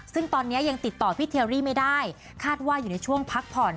ซึ่งตอนนี้ยังติดต่อพี่เทียรี่ไม่ได้คาดว่าอยู่ในช่วงพักผ่อน